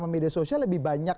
yang terdistorsi di lapangan